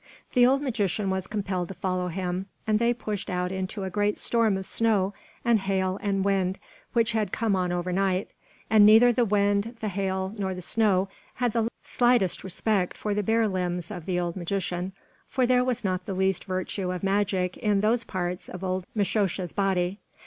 The old magician was compelled to follow him, and they pushed out into a great storm of snow and hail and wind, which had come on over night; and neither the wind, the hail, nor the snow had the slightest respect for the bare limbs of the old magician, for there was not the least virtue of magic in those parts of old Mishosha's body.